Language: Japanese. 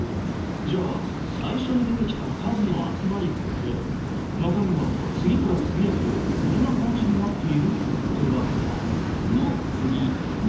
じゃあ最初に出てきた「数」の集まりって中身は次から次へとこんな感じになっているってわけだ。